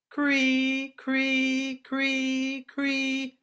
_Cree cree cree cree!